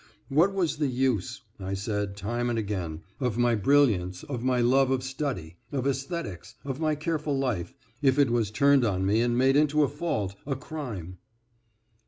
What was the use, I said time and again, of my brilliance, of my love of study, of esthetics, of my careful life, if it was turned on me and made into a fault, a crime.